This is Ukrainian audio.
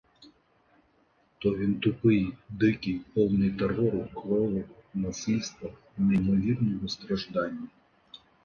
То він тупий, дикий, повний терору, крови, насильства, неймовірного страждання.